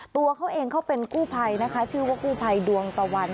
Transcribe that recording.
ตัวเขาเองเขาเป็นกู้ภัยนะคะชื่อว่ากู้ภัยดวงตะวัน